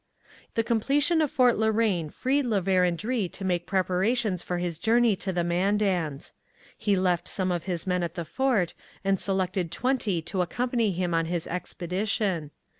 The completion of Fort La Reine freed La Vérendrye to make preparations for his journey to the Mandans. He left some of his men at the fort and selected twenty to accompany him on his expedition.